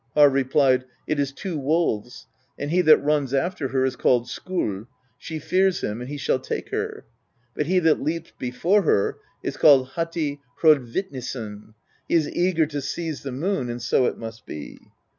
Harr replied: "It is two wolves; and he that runs after her is called Skoll; she fears him, and he shall take her. But he that leaps before her is called Hati Hrodvitnisson. He is eager to seize the moon; and so it must be."